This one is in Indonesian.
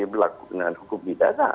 berlakukan hukum bidana